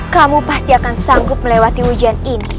kamu pasti akan sanggup melewati hujan ini